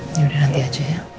ini udah nanti aja ya